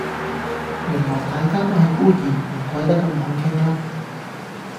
原來大家都係孤兒，唔怪得咁好傾啦